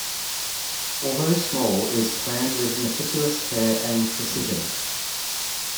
Although small, it is planned with meticulous care and precision.